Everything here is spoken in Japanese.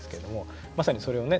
まさにそれをね